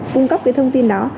cung cấp cái thông tin đó